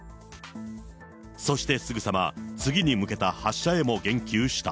そしてすぐさま、次に向けた発射へも言及した。